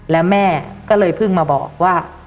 แล้วแม่ก็เลยเพิ่งมาบอกว่า